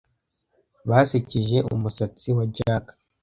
Basekeje umusatsi wa Jack.